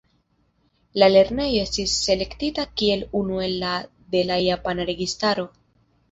La lernejo estis selektita kiel unu el la de la japana registaro.